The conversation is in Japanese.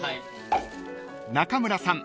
［中村さん